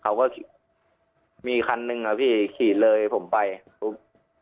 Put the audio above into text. เขาก็มีคันหนึ่งอะพี่ขี่เลยผมไปปุ๊บ